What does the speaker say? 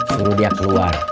suruh dia keluar